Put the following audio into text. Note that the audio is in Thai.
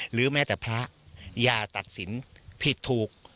หรือแม้แต่พระอย่าตัดสินผิดถูก